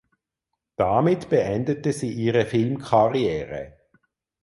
Damit beendete sie ihre Filmkarriere.